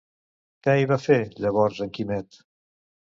Què hi va fer, llavors, en Quimet?